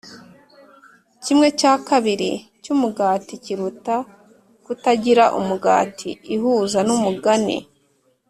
kimwe cya kabiri cyumugati kiruta kutagira umugati ihuza numugani